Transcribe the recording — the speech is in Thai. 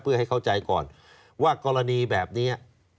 เพื่อให้เข้าใจก่อนว่ากรณีแบบนี้